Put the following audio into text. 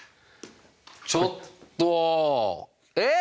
ちょっと！えっ？